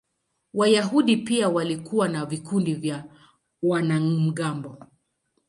Wayahudi pia walikuwa na vikundi vya wanamgambo.